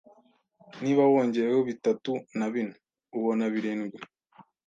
Niba wongeyeho bitatu na bine, ubona birindwi.